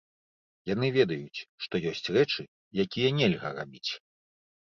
Яны ведаюць, што ёсць рэчы, якія нельга рабіць.